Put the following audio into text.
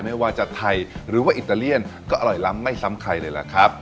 ไม่ว่าจะไทยหรือว่าอิตาเลียนก็อร่อยล้ำไม่ซ้ำใครเลยล่ะครับ